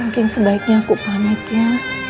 makin sebaiknya aku pamit ya